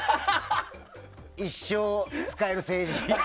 一生使える政治。